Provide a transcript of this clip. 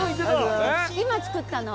今作ったの？